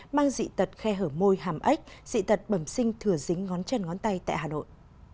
mang dị tật khe hở môi hàm ếch dị tật bẩm sinh thừa dính ngón chân ngón tay tại hà nội